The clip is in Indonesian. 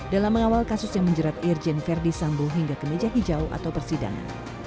dalam mengawal kasus yang menjerat irjen ferdisambo hingga kemeja hijau atau persidangan